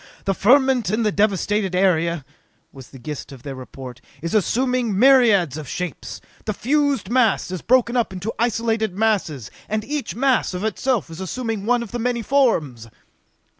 "The ferment in the devasted area," was the gist of their report, "is assuming myriads of shapes! The fused mass has broken up into isolated masses, and each mass of itself is assuming one of the many forms!"